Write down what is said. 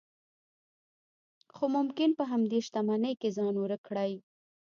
خو ممکن په همدې شتمنۍ کې ځان ورک کړئ.